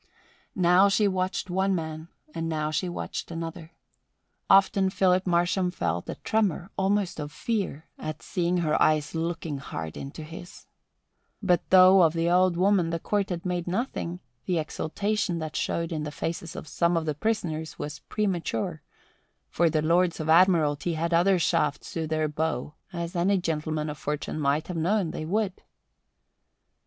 Now she watched one man and now she watched another. Often Philip Marsham felt a tremor, almost of fear, at seeing her eyes looking hard into his own. But though of the old woman the Court had made nothing, the exultation that showed in the faces of some of the prisoners was premature, for the Lords of Admiralty had other shafts to their bow, as any gentleman of fortune might have known they would.